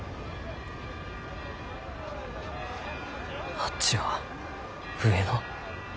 あっちは上野。